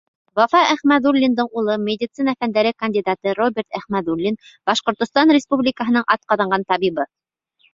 Вафа Әхмәҙуллиндың улы медицина фәндәре кандидаты Роберт Әхмәҙуллин — Башҡортостан Республикаһының атҡаҙанған табибы.